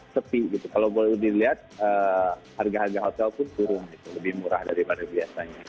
sepi gitu kalau boleh dilihat harga harga hotel pun turun lebih murah daripada biasanya